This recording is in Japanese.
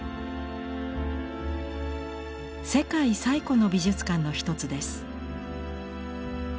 世界最古の美術館の一つです。